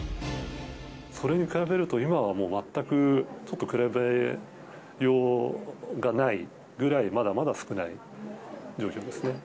それに比べると、今はもう全くちょっと比べようがないぐらい、まだまだ少ない状況ですね。